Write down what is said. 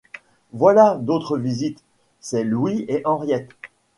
Voilà d’autres visites, c’est Louis et Henriette.